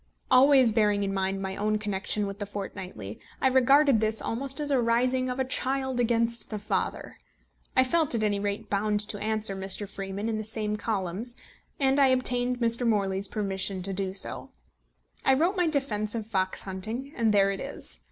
Always bearing in mind my own connection with The Fortnightly, I regarded this almost as a rising of a child against the father. I felt at any rate bound to answer Mr. Freeman in the same columns, and I obtained Mr. Morley's permission to do so. I wrote my defence of fox hunting, and there it is.